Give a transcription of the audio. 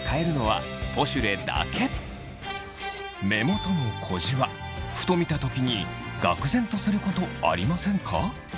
目元の小じわふと見た時にがくぜんとすることありませんか？